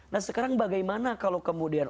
nah sekarang bagaimana kalau kemudian